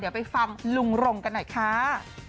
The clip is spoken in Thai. เดี๋ยวไปฟังลุงรงกันหน่อยค่ะ